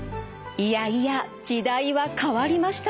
いやいや時代は変わりました。